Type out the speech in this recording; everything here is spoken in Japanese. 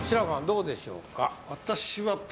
どうでしょうか？